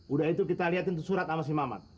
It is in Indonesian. udah itu kita liatin tuh surat sama si jambul